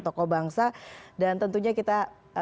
tokoh bangsa dan tentunya kita